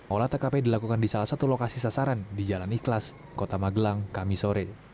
olah tkp dilakukan di salah satu lokasi sasaran di jalan ikhlas kota magelang kami sore